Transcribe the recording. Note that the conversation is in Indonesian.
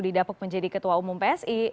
didapuk menjadi ketua umum psi